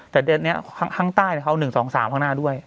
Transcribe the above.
แต่เดือนนี้ข้างใต้เขา๑๒๓ข้างหน้าด้วย